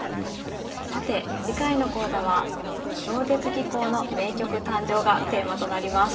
さて次回の講座は「超絶技巧の名局誕生」がテーマとなります。